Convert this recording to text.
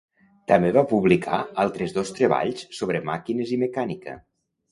També va publicar altres dos treballs sobre màquines i mecànica.